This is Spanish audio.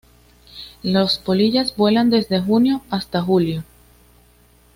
Los polillas vuelan desde junio hasta julio.